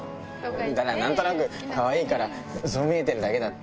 ただなんとなくかわいいから、そう見えてるだけだって。